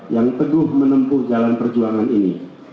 yang teduh menempuh jalan perjuangan ini